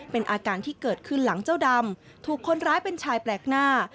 เป็นอาการที่เกิดขึ้นหลังเจ้าดำถูกคนร้ายเป็นชายแปลกหน้า